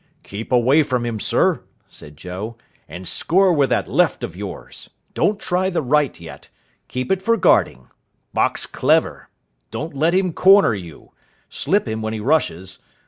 "Keep away from him, sir," said Joe, "and score with that left of yours. Don't try the right yet. Keep it for guarding. Box clever. Don't let him corner you. Slip him when he rushes.